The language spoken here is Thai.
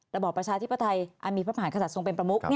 ระบบประชาธิปไทยมีประหมากษัตริย์ทรงเป็นประมุข